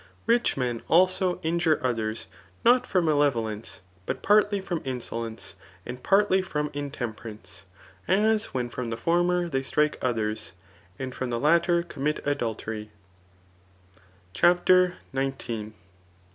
Rich men also injure others not from malevo* lence, but partly from insolence, and partly from intem perance ; as when from the former they strike others, and from the latter commit adult^. GKAr. SIX. RHXTORIC. XSS CHAPTER Xn.